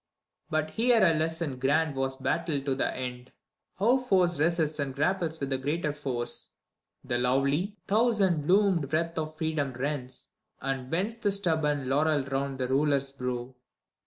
But here a lesson grand was battled to the end, How force resists and grapples with the greater force. The lovely, thousand blossomed wreath of Freedom rends, And bends the stubborn laurel round the Ruler's brow.